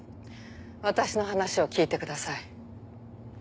私の話を聞いてください。